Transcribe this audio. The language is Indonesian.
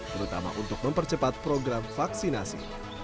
terutama untuk mempercepat program vaksinasi